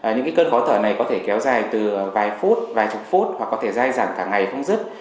những cơn khó thở này có thể kéo dài từ vài phút vài chục phút hoặc có thể dai dẳng cả ngày không dứt